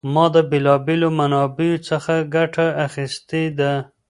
ما د بېلا بېلو منابعو څخه ګټه اخیستې ده.